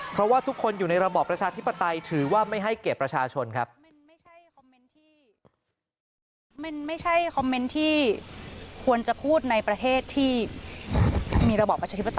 เพราะว่าทุกคนอยู่ในระบอบประชาธิปไตยถือว่าไม่ให้เกียรติประชาชนครับ